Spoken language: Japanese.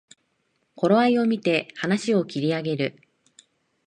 頃合いをみて話を切り上げる